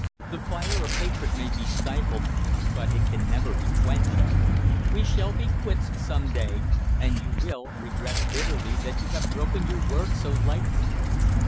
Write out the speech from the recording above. The fire of hatred may be stifled, but it can never be quenched. We shall be quits some day, and you will regret bitterly that you have broken your word so lightly.